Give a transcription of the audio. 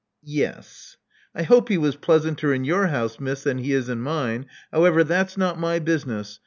Yes." I hope he was pleasanter in your house, Miss, than he is in mine. However, that's not my business.